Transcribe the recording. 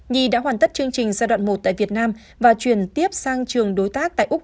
nhi đã hoàn tất chương trình giai đoạn một tại việt nam và chuyển tiếp sang trường đối tác tại úc